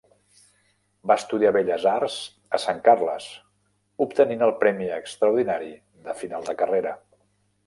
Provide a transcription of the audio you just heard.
Va estudiar Belles Arts a Sant Carles, obtenint el premi extraordinari de final de carrera.